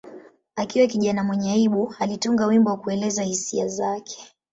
Akiwa kijana mwenye aibu, alitunga wimbo wa kuelezea hisia zake.